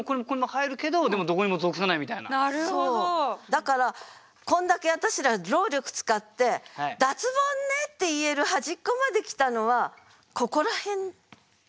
だからこんだけ私ら労力使って「脱ボンね！」って言える端っこまで来たのはここら辺だけ。